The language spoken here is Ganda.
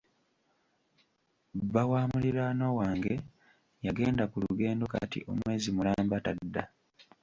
Bba wa muliraanwa wange yagenda ku lugendo kati omwezi mulamba tadda.